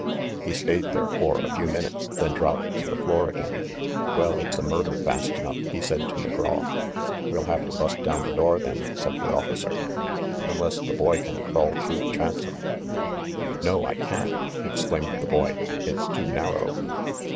He stayed there for a few minutes, then dropped to the floor again. "Well, it's a murder, fast enough," he said to Mc Graw. "We'll have to bust down the door, then," said the officer. "Unless the boy can crawl through the transom." "No, I can't !" exclaimed the boy. "It's too narrow."